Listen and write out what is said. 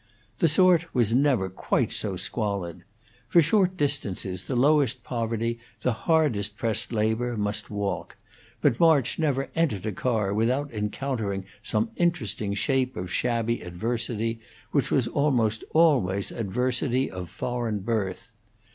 The sort was never quite so squalid. For short distances the lowest poverty, the hardest pressed labor, must walk; but March never entered a car without encountering some interesting shape of shabby adversity, which was almost always adversity of foreign birth.